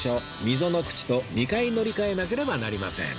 溝口と２回乗り換えなければなりません